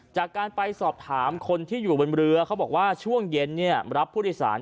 จากการไปสอบถามคนที่อยู่บนเรือเขาบอกว่าช่วงเย็นรับผู้โดยสาร